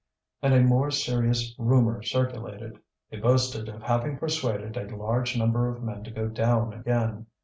And a more serious rumour circulated: they boasted of having persuaded a large number of men to go down again.